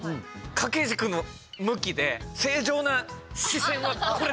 掛け軸の向きで正常な視線はこれだっていう。